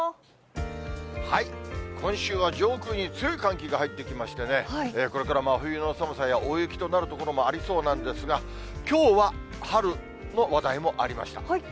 今週は上空に強い寒気が入ってきましてね、これから真冬の寒さや大雪となる所もありそうなんですが、きょうは春の話題もありました。